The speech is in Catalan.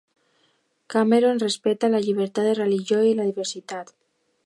Cameroon respecta la llibertat de religió i la diversitat.